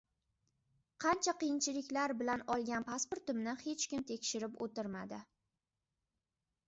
qancha qiyinchiliklar bilan olgan pasportimni hech kim tekshirib o‘tirmadi.